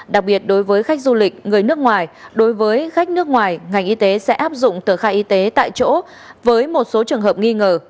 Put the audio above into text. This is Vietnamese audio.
đặc biệt đối với khách du lịch người nước ngoài đối với khách nước ngoài ngành y tế sẽ áp dụng tờ khai y tế tại chỗ với một số trường hợp nghi ngờ